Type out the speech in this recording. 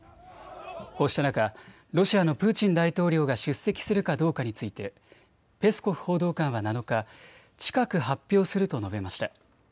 こうした中、ロシアのプーチン大統領が出席するかどうかについてペスコフ報道官は７日、近く発表すると述べました。